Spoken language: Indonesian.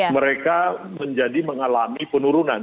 mereka menjadi mengalami penurunan